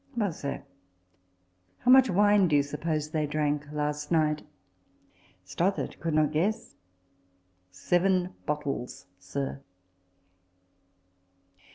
" Well, sir, how much wine do you suppose they drank last night ?" Stothard could not guess. " Seven bottles, sir